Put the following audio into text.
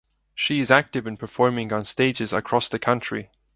She is active in performing on stages across the country.